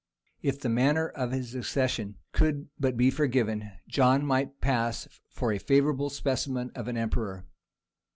If the manner of his accession could but be forgiven John might pass for a favourable specimen of an emperor.